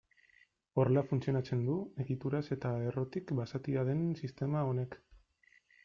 Horrela funtzionatzen du egituraz eta errotik basatia den sistema honek.